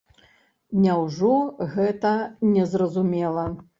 Няўжо гэта не зразумела?